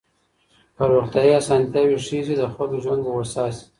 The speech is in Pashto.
که روغتيايي اسانتياوي ښې سي د خلګو ژوند به هوسا سي.